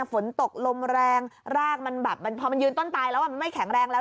ฝนตกลมแรงรากมันแบบพอมันยืนต้นตายแล้วมันไม่แข็งแรงแล้ว